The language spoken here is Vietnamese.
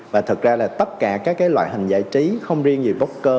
và thật ra là tất cả các loại hình giải trí không riêng gì bốc cơ